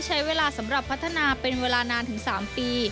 ใช้เวลาสำหรับพัฒนาเป็นเวลานานถึง๓ปี